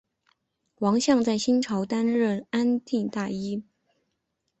王向在新朝担任安定大尹。